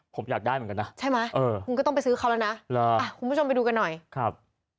ผมอยากได้เหมือนกันนะใช่ไหมเออคุณก็ต้องไปซื้อเขาแล้วนะคุณผู้ชมไปดูกันหน่อยครับ